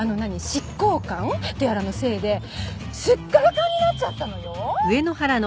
執行官とやらのせいですっからかんになっちゃったのよ！